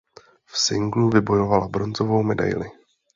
V singlu vybojovala bronzovou medaili.